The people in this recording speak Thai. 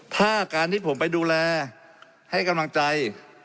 ถ้าการที่ผมไปดูแลให้กำลังใจ